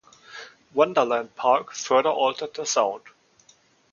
"Wonderland Park" further altered their sound.